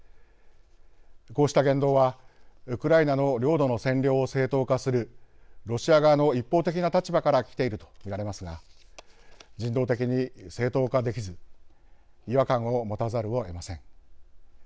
こうした言動はウクライナの領土の占領を正当化するロシア側の一方的な立場からきていると見られますが人道的に正当化できず違和感を持たざるをえません。